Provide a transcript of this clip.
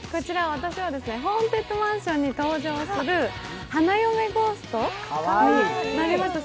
私はホーンテッドマンションに登場する花嫁ゴーストになれます。